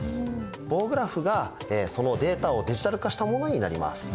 棒グラフがそのデータをディジタル化したものになります。